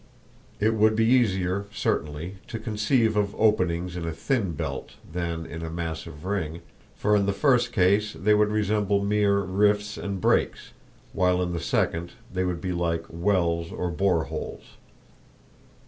It would be easier, certainly, to conceive of openings in a thin belt than in a massive ring, for in the first case they would resemble mere rifts and breaks, while in the second they would be like wells or bore holes.